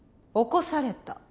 起こされた？